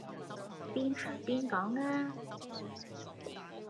邊行邊講吖